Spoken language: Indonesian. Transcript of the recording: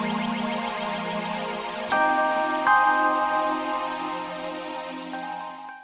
aku sudah berpakaian laki laki